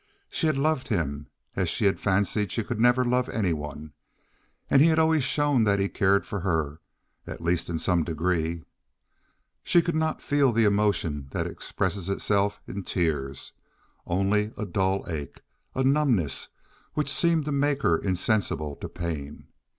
She had loved him as she had fancied she could never love any one, and he had always shown that he cared for her—at least in some degree. She could not feel the emotion that expresses itself in tears—only a dull ache, a numbness which seemed to make her insensible to pain.